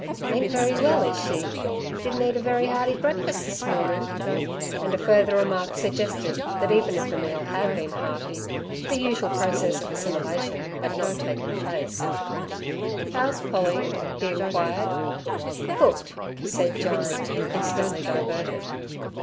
"Ain't very well, is she? Didn' eat a very 'earty breakfuss this mornin'?" And a further remark suggested that even if the meal had been hearty, the usual process of assimilation had not taken place "Ow's Polly?" he inquired. "Cooked," said Jyne, instantly diverted.